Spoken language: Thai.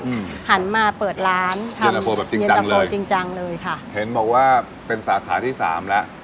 อืมหันมาเปิดร้านค่ะเย็นนาโฟแบบจริงจังเลยจริงจังเลยค่ะเห็นบอกว่าเป็นสาขาที่สามแล้ว